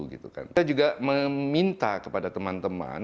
kita juga meminta kepada teman teman